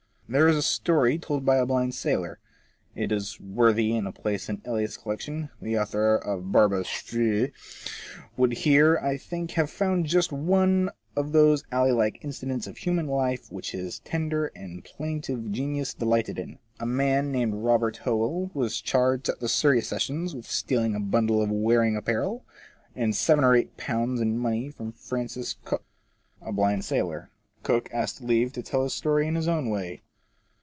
There is a story told of a blind sailor. It is worthy of a place in Elia*s collection. The author of Barbara S " would here, I think, have found just one of those alley like incidents of human life which his tender and plaintive genius delighted in. A man named Bobert Howell was charged at the Surrey Sessions with stealing a bundle of wearing apparel and seven or eight pounds in money from Francis Cooke, a blind sailor. Cooke asked leave to tell his story in his own way.